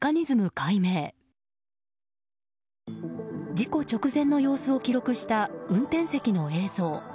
事故直前の様子を記録した運転席の映像。